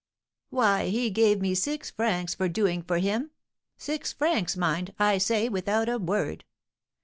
Why, he gave me six francs for doing for him, six francs, mind, I say, without a word.